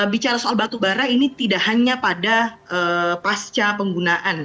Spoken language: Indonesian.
bicara soal batubara ini tidak hanya pada pasca penggunaan